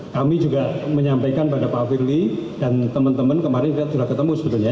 kami juga menyampaikan pada pak firly dan teman teman kemarin kita sudah ketemu sebetulnya